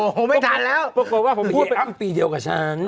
โอ้โหไม่ทันแล้วอ้างปีเดียวกับฉัน